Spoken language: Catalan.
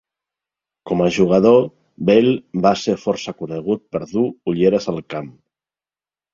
Com a jugador, Bell va ser força conegut per dur ulleres al camp.